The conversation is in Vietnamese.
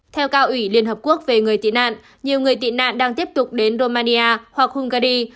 theo cao ủy liên hợp quốc về người tị nạn nhiều người tị nạn đang tiếp tục đến romania hoặc hungary